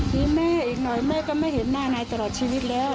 มีแม่อีกหน่อยแม่ก็ไม่เห็นหน้านายตลอดชีวิตแล้ว